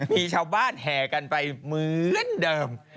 มีชาวบ้านแห่กันไปเหมือนเดิม